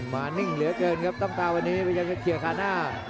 นิ่งเหลือเกินครับต้องตาวันนี้พยายามจะเกี่ยวขาหน้า